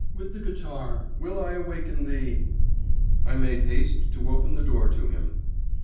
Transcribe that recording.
with the guitar Will I awaken thee …' I made haste to open the door to him.